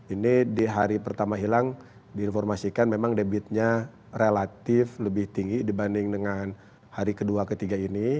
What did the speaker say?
ini di hari pertama hilang diinformasikan memang debitnya relatif lebih tinggi dibanding dengan hari kedua ketiga ini